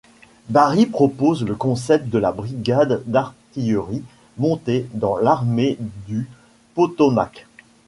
Barry propose le concept de la brigade d'artillerie montée dans l'armée du Potomac.